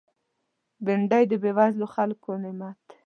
بېنډۍ د بېوزلو خلکو نعمت دی